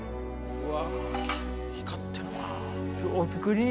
うわ！